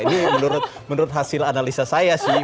ini menurut hasil analisa saya sih